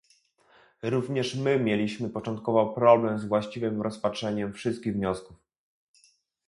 Również my mieliśmy początkowo problem z właściwym rozpatrzeniem wszystkich wniosków